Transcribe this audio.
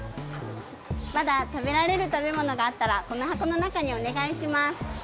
まだ食べられる食べ物があったらこのはこのなかにおねがいします！